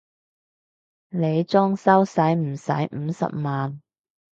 你裝修駛唔駛五十萬？